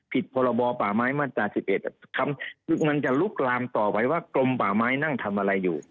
ผิดพบปมจ๑๑มันจะรุกรามต่อไปว่ากลมป่าไม้นั่งทำอะไรอยู่